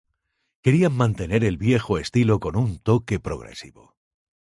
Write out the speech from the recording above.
Querían mantener el viejo estilo con un toque progresivo.